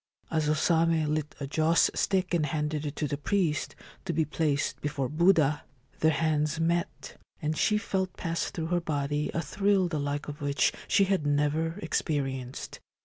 As O Same lit a joss stick and handed it to the priest, to be placed before Buddha, their hands met, and she felt pass through her body a thrill the like of which she had never experienced.